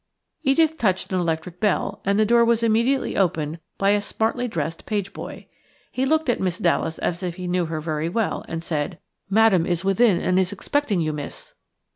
Edith touched an electric bell and the door was immediately opened by a smartly dressed page boy. He looked at Miss Dallas as if he knew her very well, and said:– "Madame is within, and is expecting you, miss."